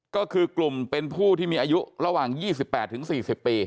ก็คือกลุ่มเป็นผู้ที่มีอายุระหว่าง๒๘๔๐ปี